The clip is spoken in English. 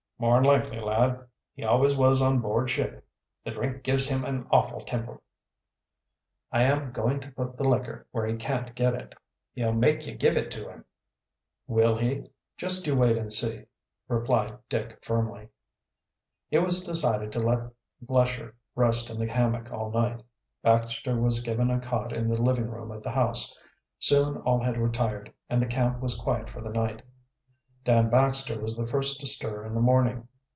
"More'n likely, lad he always was on board ship. The drink gives him an awful temper." "I am, going to put the liquor where he can't get it." "He'll make ye give it to him." "Will he? Just you wait and see," replied Dick firmly. It was decided to let Lesher rest in the hammock all night. Baxter was given a cot in the living room of the house. Soon all had retired, and the camp was quiet for the night. Dan Baxter was the first to stir in the morning.